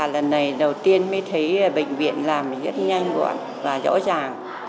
lần này đầu tiên mới thấy bệnh viện làm rất nhanh gọn và rõ ràng